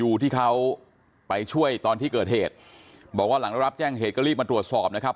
ที่เขาไปช่วยตอนที่เกิดเหตุบอกว่าหลังได้รับแจ้งเหตุก็รีบมาตรวจสอบนะครับ